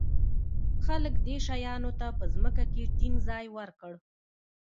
خلک دې شیانو ته په ځمکه کې ټینګ ځای ورکړ.